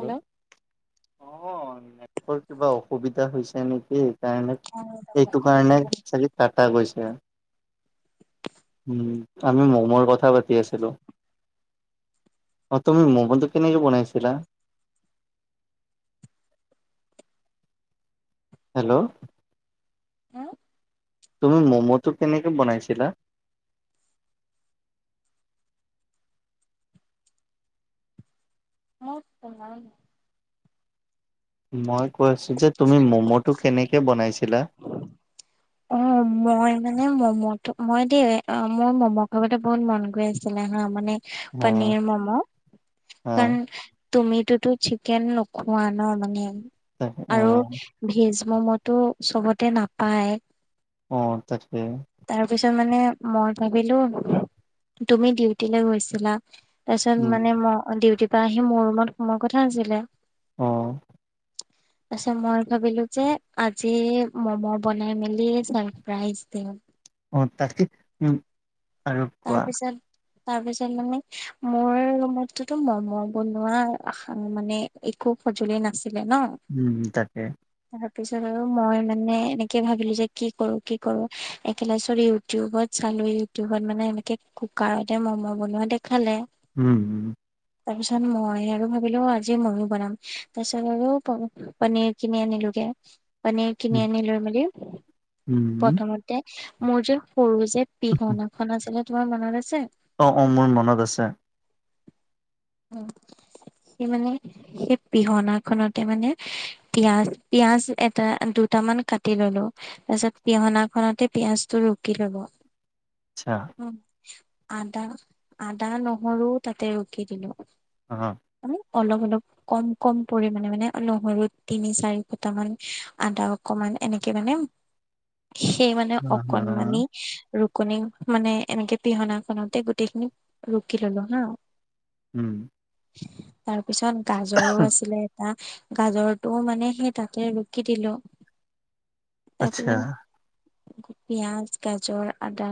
Hello অ নেটৰ কিবা অসুবিধা হৈছে নেকি? ইন্টাৰনেট এইটো কাৰণে চাগে কটা গৈছে। উম আমি মৰমৰ কথা পাতি আছিলো অ' তুমি ম'বাইলটো কেনেকে বনাইছিলা [unintelligible] হেল্ল'। উহ তুমি মমটো কেনেকে বনাইছিলা অলপ পঢ়াওঁ মই মই কৈআছো যে তুমি মমটো কেনেকে বনাইছিলা অ' মই মানে মমটো মই দেই অ মোৰ মম খাবলে বহুত মন গৈ আছিলে আ মানে অ', পণিৰ মম' অ', কাৰণ। তুমিতো চিকেন নোখোৱা ন মানে তাকে আৰু অ', ভেজ মমতো চবতে নাপায় অ', তাকেই তাৰপিছত মানে মই ভাবিলো তুমি বিউটি লৈ গৈছিলা তাৰপিছত উম, মানে ম ডিউটিৰ পৰা আহি মোৰ ৰুমত সোমাৰ কথা আছিলে। অহ তাৰপাছত মই ভাবিলো যে আজি মম বনাই মেলি দে চাৰপ্ৰাইজ দিওঁ অ', তাকেই‌ আৰু কোৱা তাৰপিছত তাৰপিছত মানে মোৰ মনটো মম বনোৱা আক্ষা মানে একো সূ সঁজুলিয়ে নাছে উম তাকে তাৰপিছত আৰু মই মানে এনেকে ভাবিলো যে কি কৰো কি কৰো একেলাই চইউটিউবত চাই, ইউটিউবত মানে এনেকে কুকাৰতে ম'ম বনোৱা দেখালে উম। তাৰ পিছত মই আৰু ভাবিলো আজি ময়ো বনাম তাৰ পিছত আৰু প পনীৰ কিনি আনিলো। মানে পানিৰ উম, কিনি আনি লৈ মেলি উম, প্ৰথমতে মোৰ যে সৰু যে উম, পিহনাখন আছিলে তোমাৰ মনত আছে। অ', অ' মোৰ মনত আছে সেই মানে সেই পিহনাখনতে মানে পিয়াজ পিয়াজ এটা দুটামান কাটি ললো তাৰ পাছত পিহনা খনতে পিয়াজতো নকিৰাব। আচ্ছা উ আদা আদা নহৰু তাতে ৰুকি দিলো হ মানে অলপ অলপ কম কম পৰিমমানে মানে নহৰুত তিনি চাৰি খুটামান আদা অকমান মানে এনেকে মানে [unintelligible] সেই মানে অ', অকনমানি ৰুকনি। মানে এনেকে পিহনাখনতে গোটেই খিনি ৰুকি ললো হা, উম। তাৰপিছত গাজৰো আছিলে এটা। গাজৰটোও মানে সেই তাতে ৰুকি দিলো আচ্ছা, তাৰপাছত পিয়াজ গাজৰ আদা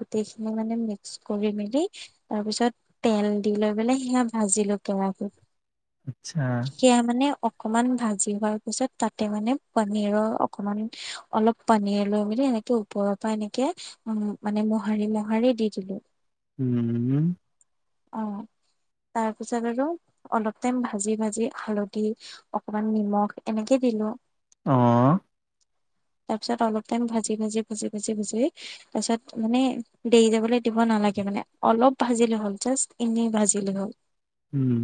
গোটেই খিনি মানে মিক্স কৰি মেলি তাৰপিছত তেল দি লৈ পেলে সি এতিয়া ভাজিলো কে আচ্ছা, সেয়া মানে, অকমান ভাজি হোৱাৰ পিছত তাতে মানে পানীৰৰ অকমান অলপ পানীৰ লৈ বুলি এইটো ওপৰৰ পৰা এনেকে উ মানে মোহাৰি মোহাৰি দি দিলো। উমম। আ তাৰ পিছত আৰু অলপ টাইম ভাজি ভাজি হালধি অকমান নিমখ এনেকে দি, বি ন [unintelligible] আহ। তাৰপিছত অলপ টাইম ভাজি ভাজি ভাজি ভাজি ভাজি তাৰপিছত মানে দেৰি যাবলৈ দিব নালাগে মানে, অলপ ভাজিলে হ'ল জাষ্ট এনেই ভাজিলে হ'ল। উম।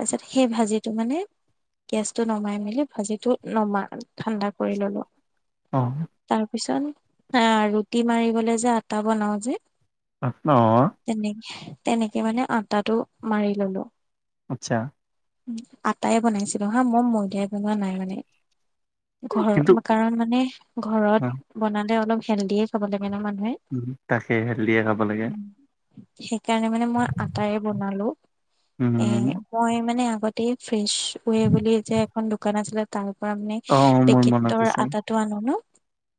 তাৰপিছত সেই ভাজিটো মানে গেছটো নমাই মেলি ভাজিটো নমা ঠাণ্ডা কৰি ললো। অঁ। পিছন আহ ৰুটি মাৰিবলে যে আটা বনাও যে তেনেকে [unintelligible] তেনেকে মানে আটাটো মাৰি ললো। আচ্ছা। আটাই বনাইছিলো হা, মই ময়দাই বনোৱা নাই মানে। ঘৰ কিন্তু কাৰণ মানে ঘৰত অ', বনালে অলপ হেল্ডিয়ে খাব লাগে। ন মানুহে উম হুম তাকে হেল্ডিয়ে খাব লাগে। সেইকাৰণে মানে মই আটাৰে বনালো। এ উম, মই মানে আগত ফ্ৰেছ বুলি যে এখন দোকান আছিলে তাৰ। পৰা মানে অ', মোৰ মনত পেকেটৰ আছে, আটাটো আনো ন,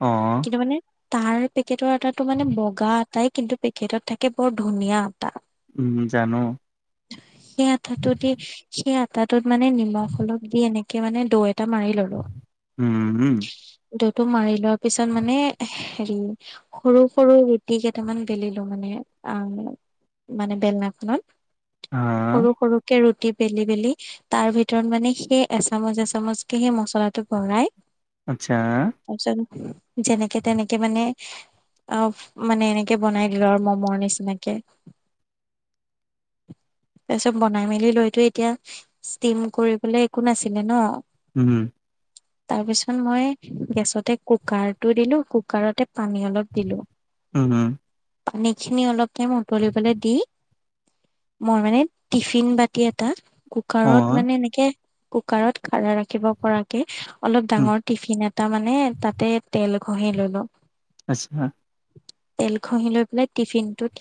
অ', কিন্তু মানে তাৰ পে পেকেটৰ আটাটো মানে বগা আটাটো কিন্তু পেকেটত থাকে বৰ ধুনীয়া। উম, জানো, সেই আটাটো দি [unintelligible] আটাটোত মানে নিমখ অলপ দি এনেকে মানে দৈ দুটা মাৰি ললো, উম, দৌতটো মাৰি লোৱাৰ পিছত মানে হেৰি সৰু-সৰু ৰুটি কেইটামান বেলিলো। মানে আহ মানে বেলনাখনত হা, সৰু-সৰুকে ৰুটি বেলি বেলি তাৰ ভিতৰত মানে সেই এচামচ এচামচকে সেই মচলাটো ভৰাই। আচ্ছা। তাৰপিছত যেনেকে তেনেকে মানে অ' মানে এনেকে বনাই দিলো আৰু মমৰ নিচিনাকে। [inaudible] তাৰপিছত বনাই মেলি লৈতো এতিয়া ষ্টিম কৰিবলৈ একো নাছিলে ন। হম। তাৰপিছত মই গেছতে কুকাৰটো দিলো, কুকাৰতে পানী অলপ দিলো, উম, পানী খিনি অলপ টাইম উতলিবলে দি। মোৰ মানে টিফিন বাতি এটা কুকাৰত অ', মানে এনেকে কুকাৰত খাৰা ৰাখিব পৰাকে অলপ উম, ডাঙৰ টিফিন এটা মানে তাতে তেল ঘঁহি ললো। আচ্ছা। তেল ঘঁহি লৈ পেলাই টিফিন ত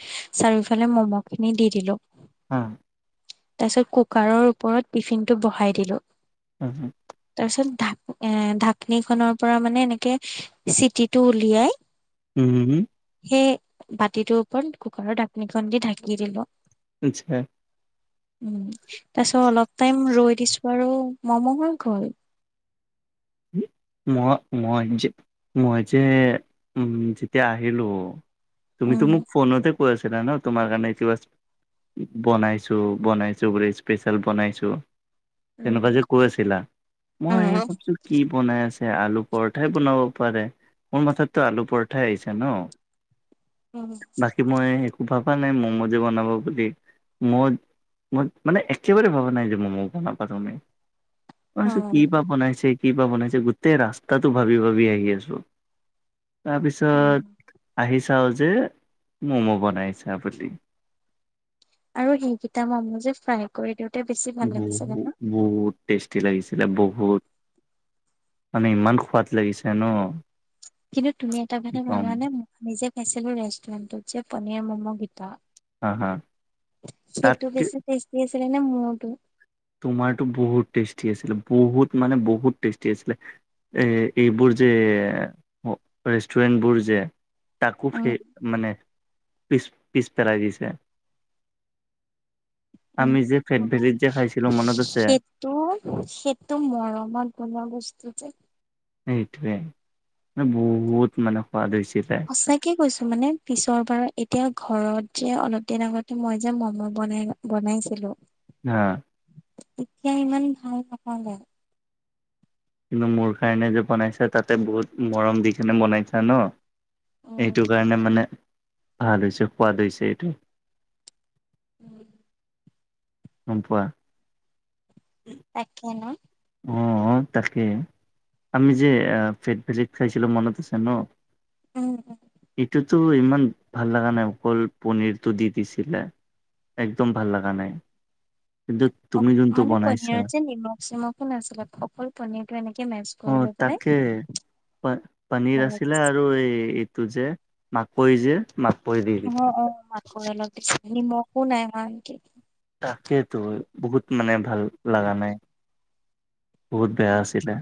চাৰিওফালে মম' খিনি দি দিলো। হা। তাৰ পিছত কুকাৰৰ ওপৰত টিফিনটো বহাই দিলো। হম হম। তাৰিছত ঢাক এ ঢাকনি খনৰ পৰা মানে এনেকে চিটিটো উলিয়াই উম হম। সেই বাতিটোৰ ওপৰত কুকাৰৰ ঢাকনিখন দি ঢাকি দিলো। আচ্ছা উম তাৰ পিছত অলপ টাইম ৰৈ দিছো আৰু মামা [unintelligible] হম ম মই মই যে উ যিতিয়া আহিলো তুমিতো উম মোক ফোনতে কৈ আছিলা ন তোমাৰ কাৰণে [unintelligible] বনাইছোঁ, বনাইছোঁ পুৰা স্পেচিয়েল বনাইছোঁ। উম তেনেকুৱা যে কৈ আছিলা। মই উম ভাবছো বনাই আছে আলু পৰঠাই বনাব পাৰে। মোৰ মাথাতো আলু পৰঠাই আহিছে ন। উম। বাকী মই একো ভাবা নাই ম'ম'জে বনাব বুলি। ম' মই মানে একেবাৰে ভবা নাই যে মম' বনাবা তুমি অ ছোঁ, কি বা বনাইছে কি বা বনাইছে? গোটেই ৰাস্তাটো ভাবি ভাবি আহি আছো। উম। তাৰপিছত আহি- চাও যে, ম'ম' বনাইছা বুলি। আৰু সেইকেইটা মই যে ফ্ৰাই কৰি দিওঁ। ব বহু ষ্টেট। টি লাগিছিলে বহুত। মানে ইমান সোৱাদ লাগিছে ন'। কিন্তু তুমি এটা কি কথা কোৱা ক'ম কাৰনে। মই নিজে খাইছিলো ৰেষ্টুৰেণ্টত যে পনীৰ ম'ম' কিটা হা হা হেটো তাতকে বেছি টেষ্টি আছিলে নে মোৰটো? তোমাৰতো বহুত টেষ্টি আছিলে বহুত মানে বহুত টেষ্টি আছিলে। এ, এইবোৰ যে ৰেষ্টুৰেণ্টবোৰ যে। তাকো উম ফেই, মানে পিছ, পিছ পেলাই দিছে। উম আমি যে ফেট অ', ভেলিত যে খাই- সেইটো, সেইটো মৰমত বনোৱা বস্তু যে। সেইটোৱে। ব বহুত মানে সোৱাদ হৈছিলে। সঁচাকে কৈছো মানে পিছৰ বাৰ, এতিয়া ঘৰত যে অলপ দিন আগতে মই যে ম'ম' বনাই, বনাই নিছিলো হা এতিয়া ইমান ভাল [unintelligible] কিন্তু মোৰ কাৰণে যে বনাইছা তাতে বহুত মৰম দি কিনে বনাইছা ন। উম এইটো কাৰণে মানে ভাল হৈছে সোৱাদ হৈছে এইটো। উম গম পোৱা? তাকে নে? অ তাকে। আমি যে ফেট ভেলেট খাইছিলো মনত আছে ন'? উম উম ইটো তো' ইমান ভাল লাগা নাই অকল পনিৰটো দি দিছিলে। একদম ভাল লগাগা নাই কিন্তন্তু তুমি যোনটোু বনাইছা। একো নাছিলে অকল পনীৰ টো এনেকে মেচ অ কৰি লৈ পেলাই তাকে প পনীৰ আছিলে আৰু এই। তটো যে মাকৈ যে মাকৈ দি দিছিল [unintelligible] তাকেইেতো বহুত মানে ভাল লগা নাই। বহুত বেয়া আছিলে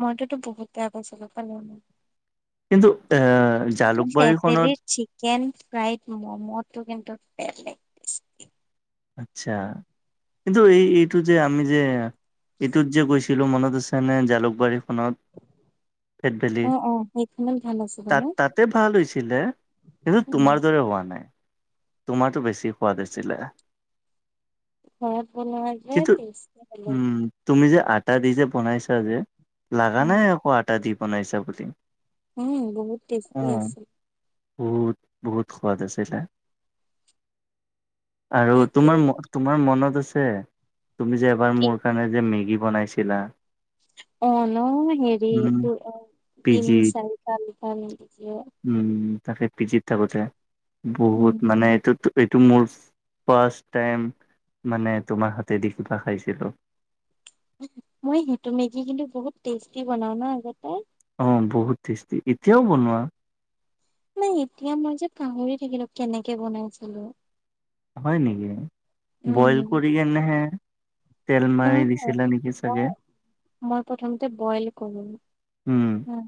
মইটোতো বহুত বেয়া পাইছিলো পালে ম কিন্তু এ কিন্তু জালুকবাৰীখনত ফেটবেলিৰ চিকেন ফ্ৰাইড মম'টো কিন্তু বেলেগ টেষ্ট। আচ্ছা কিন্ন্তু এই, এইটো যে আমি যে এইটোত যে গৈ- লো মনতআছে নে জালুকবাৰিখন ফেট ভেলি? অ', অ', সেইখনত ভাল আছিলে তাত ন? তাতে ভাল হৈছিলে কিন্তু উম, তোমাৰ দৰে হোৱা নাই। তোমাৰটো বেছি সোৱাদ আছিলে। হয়, আপোনাৰ যে কিন্তু উম [unintelligible] তুমি যে আটা দি যে বনাইছা যে, লাগা উম, নাই আকৌ আটা দি বনাইছা বুলি। উম, বহুত অ টেষ্টি আছিল। বহুত, বহুত সোৱাদ আছিলে। আৰু তাকে তোমাৰ, তোমাৰ মনত আছে তুমি যে এবাৰ কি মোৰ কাৰণে যে মেগী বনাইছিলা। অ' ন' হেৰি উম দু অ পি দিন জিত [unintelligible] উম তাকে পিজিত থাকোতে উম। বহুত মানে এইটো মোৰ ফাৰ্ষ্ট টাইম। মানে তোমাৰ হাতে দি কিবা খাইছিলো। মই সেইটো মেগি কিন্তু বহুত টেষ্টি বনাও ন আগতে। অ' বহুত টেষ্টি, এতিয়াও বনোৱা। নাই এতিয়া মই যে পাহৰি থাকিলো কেনেকে বনাইছিলো। হয় নেকি উম। বইল কৰি কেনেহে তেল মাৰি নহয়- নহয়, দিছিলা নেকি চাগে? মই- মই প্ৰথমতে বইল কৰো। উম,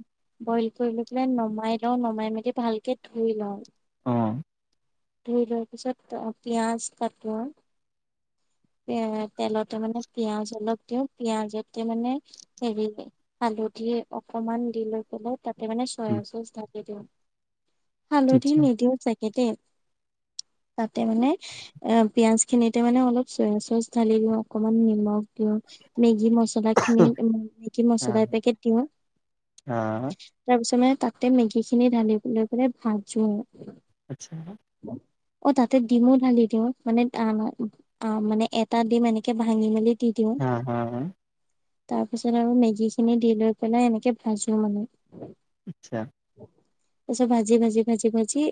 বইল কৰি লৈ পেলাই নমাই লওঁ নমাই মেলি ভালকে ধুই লওঁ। অ'। ধুই লোৱাৰ পিছত পিয়াজ কাটো তেলত তাৰ মানে পিয়াজ অলপ দিওঁ পিয়াজতে মানে হেৰি হালধি অকমান দি লৈ পেলাই তাতে মানে চয় চচ থাকি দিওঁ। হালধি আচ্ছা, নিদিওঁ চাগে দে তাতে মানে অ পিয়াজ খিনিতে মানে অলপ চয়া চচ ঢালিব। অকমান নিমখ দিয়ক মেগ যি মছলা খিনি মেগী আ, মছলা এপেকেট দিওঁ, তাৰপিছত মানে তাতে মেগীখিনি ঢালি লৈ পেলাই ভাজো। আচ্ছা অ তাতে ডিমো ঢালি দিওঁ মানে অ মানে এটা ডিম এনেকে ভাঙি মেলি হা হা তাৰপিছত আৰু মেগীখিনি দি লৈ পেলাই এনেকে ভাজো মানে। আচ্ছা। তাৰিছত ভাজি ভাজি ভাজি ভাজি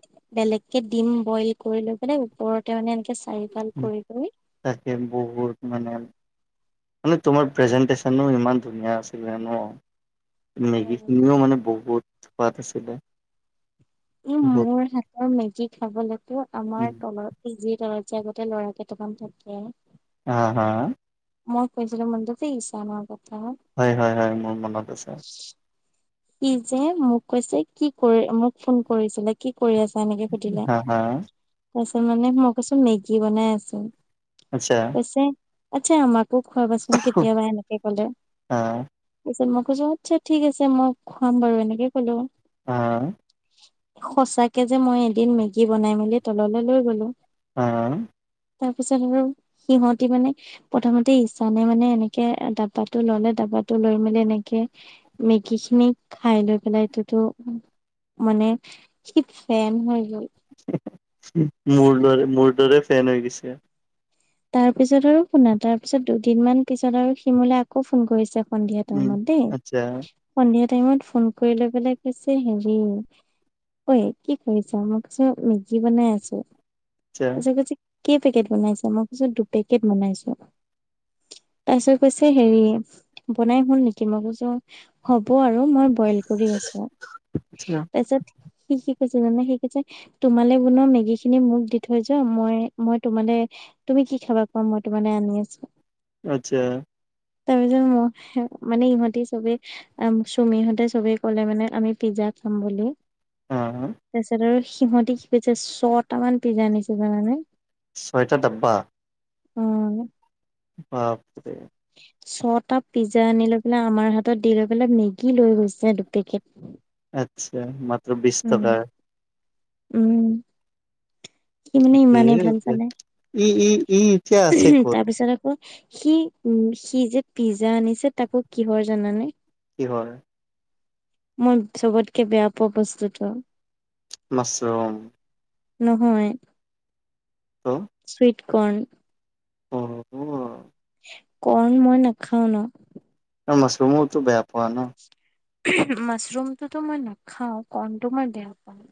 বেলেগকে দিম বইল কৰি লৈ পেল ওপৰতে মানে চাৰিফাল কৰি কৰি তাকে বহুত মানে মানে তোমাৰ প্ৰেজেণ্টেশ্যনো ইমান ধুনীয়া আছিলে ন। মেগীখিনিও মানে বহুত সোৱাদ আছিলে। ই বহুত, মোৰ হাতৰ মেগি খাবলৈতো আমাৰ উম, তলৰ যি তলৰ তি আগতে ল'ৰা কেইতা মান থাকে। হা-হা মই কৈছিলো [unintelligible] হয়, হয়, হয়, মোৰ মনত আছে। কি যে মোক কৈছে কি কৰি মোক ফোন কৰিছিলে কি কৰি আছা এনেকে সুধিলে হা, হা, তাৰপিছত মানে মই কৈছো মেগী বনাই আছো। আচ্ছা। কৈছে আচ্ছা, আমাকো খুৱাবাচোন কেতিয়াবা এনেকে গ'লে হা, তাৰিছত মোক আচ্ছা, ঠিক আছে মই খুৱাম বাৰু এনেকে ক'লো। অহ। সচাকে যে মই এদিন মেগী বনাই মেলি তললৈ লৈ গলো হম, হম। তাৰ পিছত আৰু সিহতি মানে প্ৰথমতে ইছানে মানে এনেকে ডাব্বাটো ললে ডাব কটো লৈ মেলি এনেকে মেগীখিনিক খাই লৈ পেলাই এইটোতো মানে সি ফেন হৈ গ'ল। মোৰ দৰে, মোৰ দৰে ফেন হৈ গৈছে। তাৰপিছত আৰু শুনা তাৰ পিছত দুদিনমান পিছত আৰু সি মোলে আকৌ ফোন কৰিছে। সন্ধিয়া উম, টাইম আচ্ছা, ত দেই টাইমত ফোন কৰি লৈ পেলাই কৈছে হেৰি ঐ কি কৰিছা? মই কৈছো মেগী বনাই আছোঁ। আচ্ছা। ত কৈছে কেই পেকেট বনাইছা মই কৈছো দুপেকেট বনাইছো। তাৰপিছত কৈছে হেৰি বনাই হ'ল নেকি মই কৈছো হ'ব আৰু মই বইল কৰি আছো আচ্ছা তাৰপিছত কৈছে জাননে সি কৈছে তোমালে বনোৱা মেগী খিনি মোক দি থৈ যোৱা মই-মই তোমালে তুমি কি খাবা কোৱা মই তোমালে আনি আছো। আচ্ছা। তাৰ পিছত ম মানে ইহঁতে চবেই চুমি ইহঁতে চবে কলে মানে আমি পিজ্জা। খাম বুলি। আহ তাৰপিছত আৰু সিহতি কি কৈছে ছটামান পিজ্জা আনিছে জানানে। ছয়টা ডাব্বা। উম। বাপৰে ছটা পিজ্জা আনি লৈ পেলাই আমাৰ হাতত দি লৈ পেলাই মেগী লৈ গৈছে দুপেকেট। আচ্ছা মাত্ৰ বিছ উম। টকা। উম সি মানে ঠিকেই ইমানেই ভাল আছে পালে ই ই ই এতিয়া আছে ক'ত তাৰপিছত আকৌ। সি উ সি যে পিজ্জা আনিছে তাকো কিহৰ জানানে। কি হয়? মই চবতকে বেয়া পোৱা বস্তুটো। মাছৰুম নহয়। অ [unintelligible] [unintelligible] উম, কোৱা? কৰ্ণ মই নাখাও ন। মছৰুমোটো বেয়া পোৱা ন। মাছৰুমটোতো মই নাখাও কৰ্ণ টো মই বেয়া পাওঁ।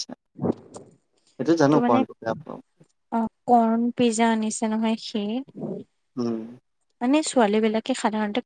সেইটো ত' জানো মানে অ', কৰ্ণ পিজ্জা আনিছে নহয় সি। উম। মানে ছোৱালী বিলাকে সাধাৰণতে